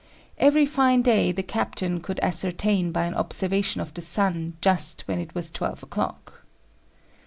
Every fine day the captain could ascertain by an observation of the sun just when it was twelve o'clock.